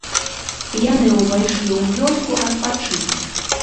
Яны ўвайшлі ў вёску адпачыць.